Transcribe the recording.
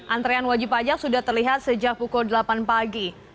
antrean wajib pajak sudah terlihat sejak pukul delapan pagi